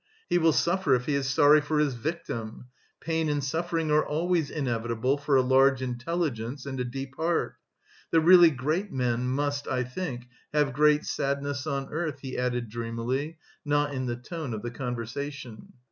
He will suffer if he is sorry for his victim. Pain and suffering are always inevitable for a large intelligence and a deep heart. The really great men must, I think, have great sadness on earth," he added dreamily, not in the tone of the conversation.